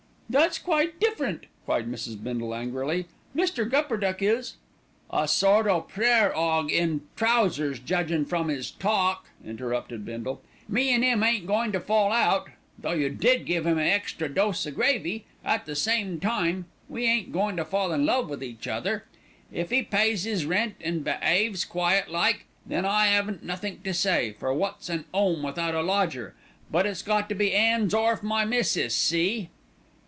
"That's quite different," cried Mrs. Bindle angrily. "Mr. Gupperduck is " "A sort o' prayer 'og in trousers, judgin' from 'is talk," interrupted Bindle. "Me an' 'im ain't goin' to fall out, though you did give 'im a extra dose o' gravy; at the same time we ain't goin' to fall in love with each other. If 'e pays 'is rent an' behaves quiet like, then I 'aven't nothink to say, for wot's an 'ome without a lodger; but it's got to be 'ands orf my missis, see!"